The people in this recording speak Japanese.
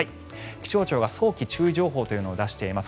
気象庁は早期注意情報というのを出しています。